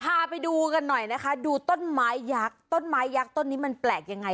พาไปดูกันหน่อยนะคะดูต้นไม้ยักษ์ต้นไม้ยักษ์ต้นนี้มันแปลกยังไง